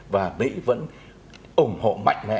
và mỹ vẫn ủng hộ mạnh mẽ israel